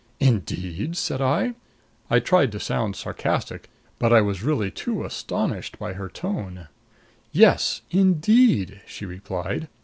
"Indeed?" said I. I tried to sound sarcastic, but I was really too astonished by her tone. "Yes indeed!" she replied.